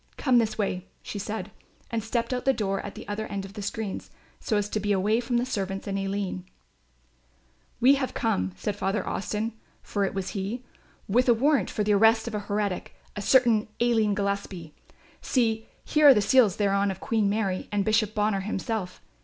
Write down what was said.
Come this way," she said, and stepped out of the door at the other end of the screens, so as to be away from the servants and Aline. "We have come," said Father Austin, for it was he, "with a warrant for the arrest of a heretic, a certain Aline Gillespie; see, here are the seals thereon of Queen Mary and Bishop Bonner himself.